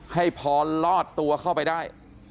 ให้พรรดิ์รอดตัวเข้าไปได้